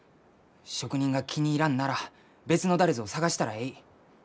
職人が気に入らんなら別の誰ぞを探したらえい。